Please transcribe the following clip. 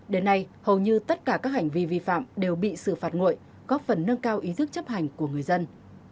đến nay hầu như tất cả các hành vi vi phạm đều bị xử phạt nguội góp phần nâng cao ý thức chấp hành của người dân